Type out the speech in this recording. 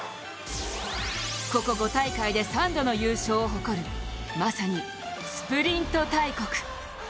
ここ５大会で３度の優勝を誇るまさにスプリント大国。